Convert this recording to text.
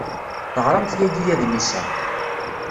Teɣramt yagi adlis-a.